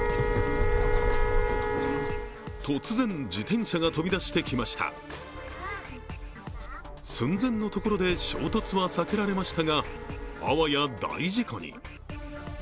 突然、自転車が飛び出してきました寸前のところで衝突は避けられましたが、あわや大事故に。